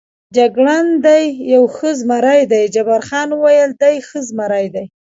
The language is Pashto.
جګړن: دی یو ښه زمري دی، جبار خان وویل: دی ښه زمري دی.